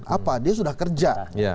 apa dia sudah kerja